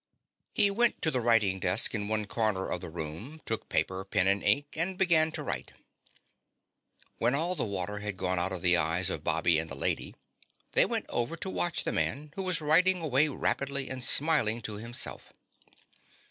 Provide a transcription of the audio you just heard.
He went to the writing desk in one corner of the room, took paper, pen and ink and began to write. When all the water had gone out of the eyes of Bobby and the Lady, they went over to watch the man who was writing away rapidly and smiling to himself.